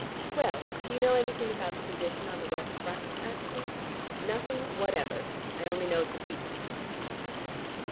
"Well, do you know anything about the position on the west front?" asked he. "Nothing whatever. I only know it's a beastly front."